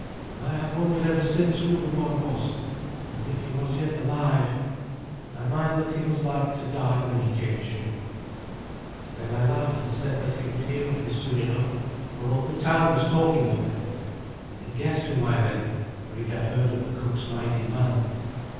I have wondered ever since who the boy was, and if he was yet alive. I mind that he was like to die when he came ashore." Then I laughed, and said that he would hear of him soon enough, for all the town was talking of him; and he guessed whom I meant, for he had heard of the cook's mighty man.